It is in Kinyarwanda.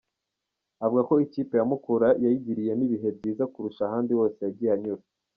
Avuga ko ikipe ya Mukura yayigiriyemo ibihe byiza kurusha ahandi hose yagiye anyura .